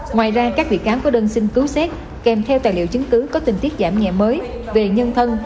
ngoài ra các bị cáo có đơn xin cứu xét kèm theo tài liệu chứng cứ có tình tiết giảm nhẹ mới về nhân thân